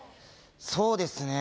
そうですね。